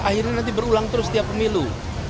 akhirnya nanti berulang terus setiap pemilu